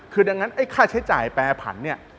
คือดังนั้นค่าใช้จ่ายแปรผัน